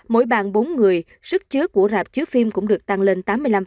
mỗi bàn bốn người sức chứa của rạp chiếu phim cũng được tăng lên tám mươi năm